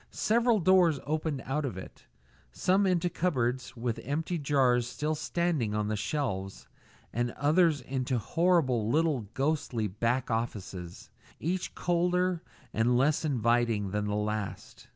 Several doors opened out of it some into cupboards with empty jars still standing on the shelves, and others into horrible little ghostly back offices, each colder and less inviting than the last.